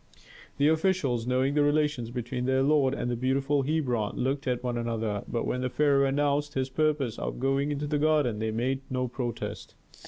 The officials, knowing the relations between their lord and the beautiful Hebron, looked at one another. But when the pharaoh announced his purpose of going into the garden they made no protest.